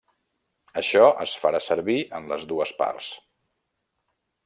Això es farà servir en les dues parts.